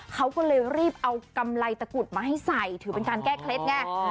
เขาก็เลยรีบเอากำไรตะกุดมาให้ใส่ถือเป็นการแก้เคล็ดไง